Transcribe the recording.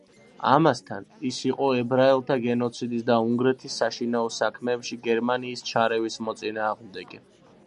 ამასთან, ის იყო ებრაელთა გენოციდის და უნგრეთის საშინაო საქმეებში გერმანიის ჩარევის მოწინააღმდეგე.